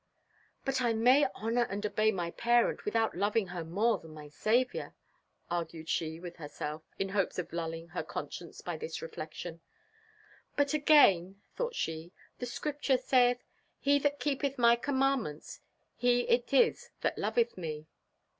"But I may honour and obey my parent without loving her more than my Saviour," argued she with herself, in hopes of lulling her conscience by this reflection. "But again," thought she, "the Scripture saith, 'He that keepeth my commandments, he it is that loveth me.'"